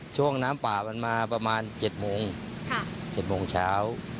ช่วงน้ำป่ามันมาประมาณเจ็ดโมงค่ะเจ็ดโมงเช้า